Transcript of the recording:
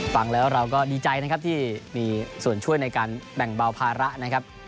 ฟังแล้วเราก็ดีใจนะครับที่มีส่วนช่วยในการแบ่งเบาภาระนะครับ